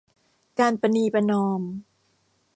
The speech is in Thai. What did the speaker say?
การประนีประนอม